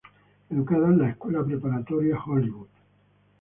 Educada en la Escuela Preparatoria Hollywood.